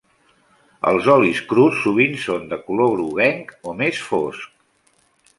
Els olis crus sovint són de color groguenc o més fosc.